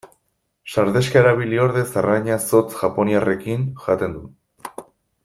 Sardexka erabili ordez arraina zotz japoniarrekin jaten du.